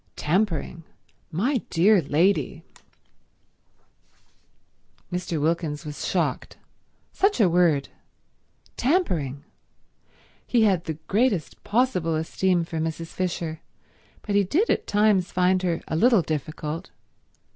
"Tampering! My dear lady—" Mr. Wilkins was shocked. Such a word. Tampering. He had the greatest possible esteem for Mrs. Fisher, but he did at times find her a little difficult.